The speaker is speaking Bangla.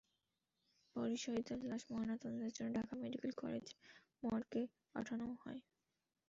পরে শাহিদার লাশ ময়নাতদন্তের জন্য ঢাকা মেডিকেল কলেজ মর্গে পাঠানো হয়।